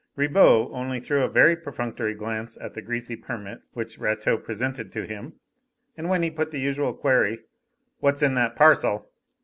Ribot only threw a very perfunctory glance at the greasy permit which Rateau presented to him, and when he put the usual query, "What's in that parcel?"